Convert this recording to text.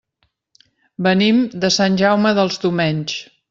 Venim de Sant Jaume dels Domenys.